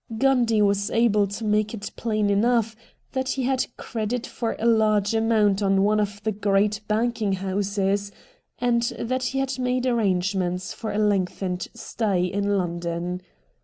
Gundy was able to make it plain enough that he had credit for a large amount on one of the great banking houses, and that he had made arrangements for a lengthened stay in London.